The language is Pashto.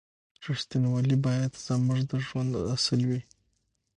رښتینولي باید زموږ د ژوند اصل وي.